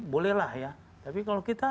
bolehlah ya tapi kalau kita